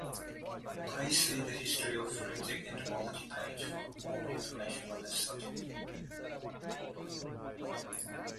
Please see the History of forensic entomology page for more information on this subject.